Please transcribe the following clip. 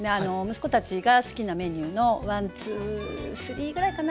息子たちが好きなメニューのワンツースリーぐらいかな？